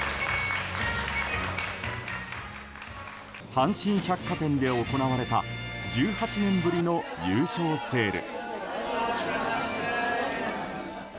阪神百貨店で行われた１８年ぶりの優勝セール。